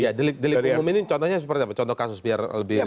ya delik delik umum ini contohnya seperti apa contoh kasus biar lebih